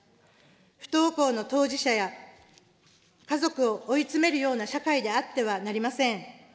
不登校の当事者や家族を追い詰めるような社会であってはなりません。